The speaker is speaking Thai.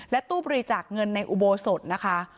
ตู้บริจาคเงินในอุโบสถนะคะ